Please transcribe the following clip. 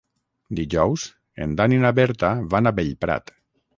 Dijous en Dan i na Berta van a Bellprat.